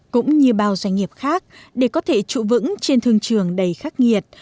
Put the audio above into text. cũng như bao doanh nghiệp khác để có thể trụ vững trên thương trường đầy khắc nghiệt